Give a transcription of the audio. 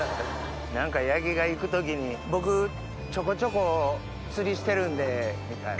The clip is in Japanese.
何か八木が行く時に「僕ちょこちょこ釣りしてるんで」みたいな。